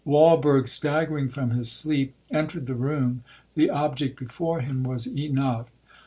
Walberg, staggering from his sleep, entered the room,—the object before him was enough.